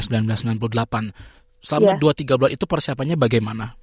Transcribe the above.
sampai dua tiga bulan itu persiapannya bagaimana